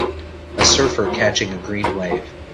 A surfer catching a green wave.